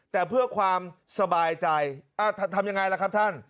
แต่เพื่อความสบายใจทำยังไงล่ะครับท่าน